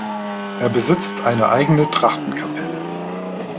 Er besitzt eine eigene Trachtenkapelle.